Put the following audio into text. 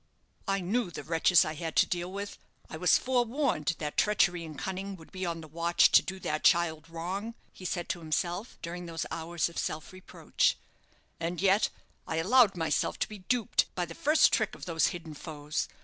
"I knew the wretches I had to deal with; I was forewarned that treachery and cunning would be on the watch to do that child wrong," he said to himself, during those hours of self reproach; "and yet I allowed myself to be duped by the first trick of those hidden foes.